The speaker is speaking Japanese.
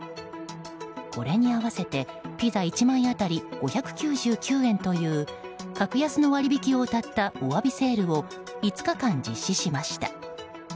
これに合わせて、ピザ１枚当たり５９９円という格安の割引きをうたったお詫びセールを５日間実施しました。